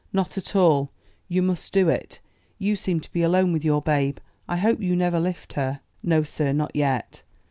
"Not at all; you must do it. You seem to be alone with your babe. I hope you never lift her?" "No, sir, not yet.